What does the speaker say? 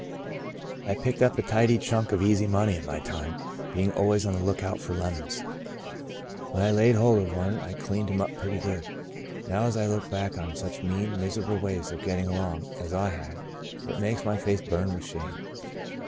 I've picked up a tidy chunk of easy money in my time, being always on the lookout for lemons. When I laid hold of one I cleaned him up pretty good. Now as I look back on such mean, miserable ways of getting along as I had, it makes my face burn with shame.